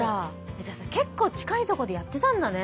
じゃあさ結構近いとこでやってたんだね。